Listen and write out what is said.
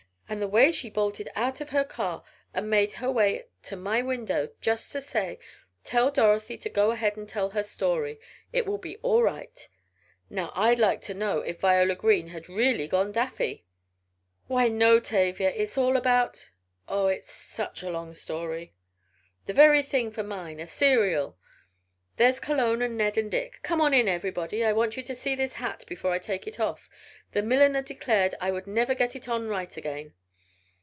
And the way she bolted out of her car and made her way to my window, just to say, 'Tell Dorothy to go ahead and tell her story! It will be all right!' Now I'd like to know if Viola Green had really gone daffy?" "Why, no, Tavia. It is all about Oh, it is such a long story." "The very thing for mine a serial. There's Cologne and Ned and Dick! Come on in, everybody! I want you all to see this hat before I take it off. The milliner declared I would never get it on right again."